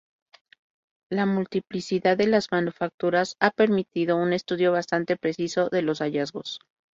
La multiplicidad de las manufacturas ha permitido un estudio bastante preciso de los hallazgos.